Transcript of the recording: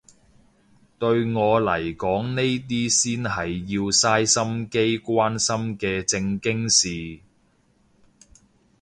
對我嚟講呢啲先係要嘥心機關心嘅正經事